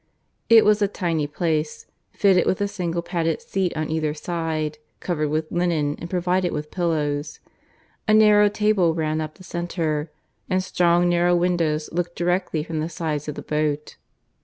It was a tiny place, fitted with a single padded seat on either side covered with linen and provided with pillows; a narrow table ran up the centre; and strong narrow windows looked directly from the sides of the boat.